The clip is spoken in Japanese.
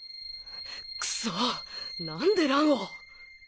クソ何で蘭を！？